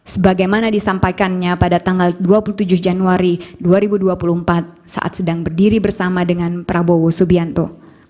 sebagaimana disampaikannya pada tanggal dua puluh tujuh januari dua ribu dua puluh empat saat sedang berdiri bersama dengan prabowo subianto